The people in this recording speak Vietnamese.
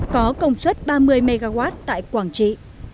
có công suất ba mươi megawatt tại quảng trị